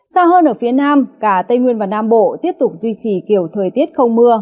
xa hơn ở phía nam cả tây nguyên và nam bộ tiếp tục duy trì kiểu thời tiết không mưa